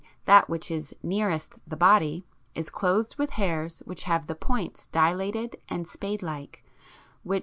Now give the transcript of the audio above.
that which is nearest the body, is clothed with hairs which have the points dilated and spade like (fig.